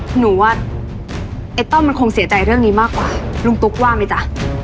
หนูว่าไอ้ต้อมมันคงเสียใจเรื่องนี้มากกว่าลุงตุ๊กว่าไหมจ๊ะ